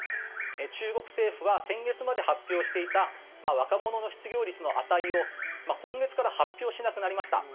中国政府は先月まで発表していた若者の失業率の値を今月から発表しなくなりました。